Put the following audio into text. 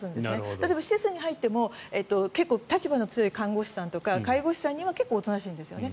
例えば、施設に入っても立場の強い看護師さんとか介護士さんにはおとなしいんですよね。